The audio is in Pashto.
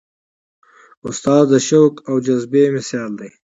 استاد د شوق او جذبې مثال دی.